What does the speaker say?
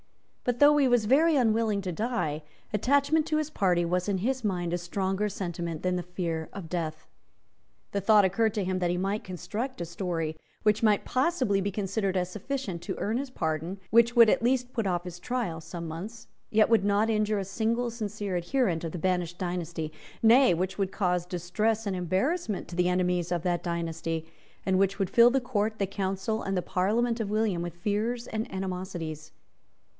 But, though he was very unwilling to die, attachment to his party was in his mind a stronger sentiment than the fear of death. The thought occurred to him that he might construct a story, which might possibly be considered as sufficient to earn his pardon, which would at least put off his trial some months, yet which would not injure a single sincere adherent of the banished dynasty, nay, which would cause distress and embarrassment to the enemies of that dynasty, and which would fill the Court, the Council, and the Parliament of William with fears and animosities.